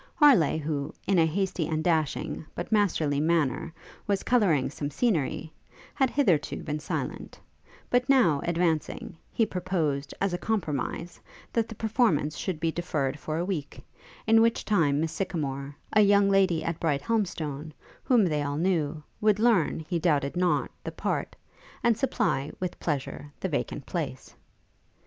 Harleigh, who, in a hasty and dashing, but masterly manner, was colouring some scenery; had hitherto been silent; but now, advancing, he proposed, as a compromise, that the performance should be deferred for a week, in which time Miss Sycamore, a young lady at Brighthelmstone, whom they all knew, would learn, he doubted not, the part, and supply, with pleasure, the vacant place.